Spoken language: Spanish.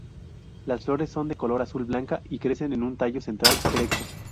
Las flores son de color azul-blanca y crecen en un tallo central erecto.